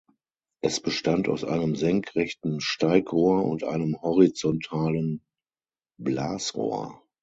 Es bestand aus einem senkrechten Steigrohr und einem horizontalen Blasrohr.